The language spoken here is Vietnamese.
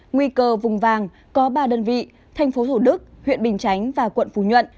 nguy cơ vùng vàng có ba đơn vị thành phố thủ đức huyện bình chánh và quận phú nhuận